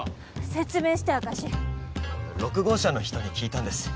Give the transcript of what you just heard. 説明して明石６号車の人に聞いたんです